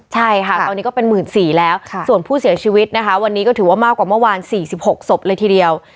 ใช่ค่ะตอนนี้ก็เป็น๑๔๐๐แล้วส่วนผู้เสียชีวิตนะคะวันนี้ก็ถือว่ามากกว่าเมื่อวาน๔๖ศพเลยทีเดียว